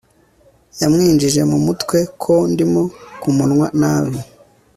Yamwinjije mumutwe ko ndimo kumunwa nabi